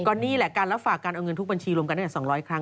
ก็นี่แหละการรับฝากการเอาเงินทุกบัญชีรวมกันตั้งแต่๒๐๐ครั้ง